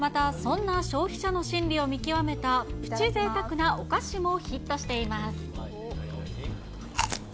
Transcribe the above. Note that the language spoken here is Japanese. また、そんな消費者の心理を見極めたプチぜいたくなお菓子もヒットしています。